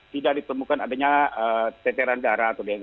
tidak ditemukan adanya eceran darah